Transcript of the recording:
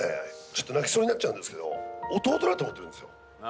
ちょっと泣きそうになっちゃうんですけど弟だと思ってるんですよ